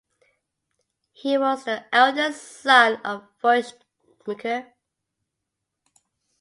He was the eldest son of Vushmgir.